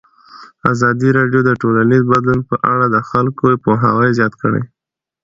ازادي راډیو د ټولنیز بدلون په اړه د خلکو پوهاوی زیات کړی.